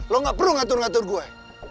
lo gak perlu ngatur ngatur gue